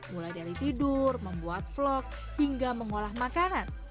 mulai dari tidur membuat vlog hingga mengolah makanan